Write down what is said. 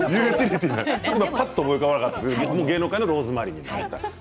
ぱっと思い浮かばなかったけれども芸能界のローズマリー。